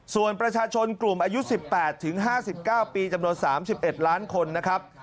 ส่วนประชาชนกลุ่มอายุ๑๘๕๙ปีจำนวน๓๑ล้านคนนะครับ